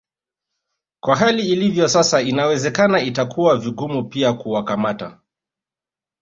Kwa hali ilivyo sasa inawezekana itakuwa vigumu pia kuwakamata